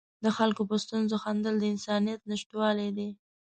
د خلکو په ستونزو خندل د انسانیت نشتوالی دی.